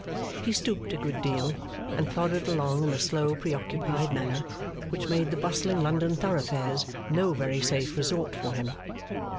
He stooped a good deal, and plodded along in a slow pre occupied manner, which made the bustling London thoroughfares no very safe resort for him.